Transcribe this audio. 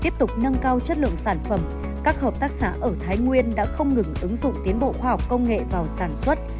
tiếp tục nâng cao chất lượng sản phẩm các hợp tác xã ở thái nguyên đã không ngừng ứng dụng tiến bộ khoa học công nghệ vào sản xuất